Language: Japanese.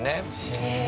へえ。